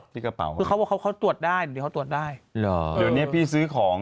ที่กระเป๋าคือเขาบอกเขาเขาตรวจได้เดี๋ยวเขาตรวจได้เหรอเดี๋ยวเนี้ยพี่ซื้อของ